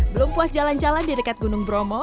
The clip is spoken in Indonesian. belum puas jalan jalan di dekat gunung bromo